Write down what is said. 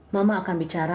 mama akan bicara